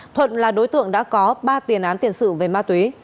thuận là đối tượng đã có ba tiền án tiền sự về ma túy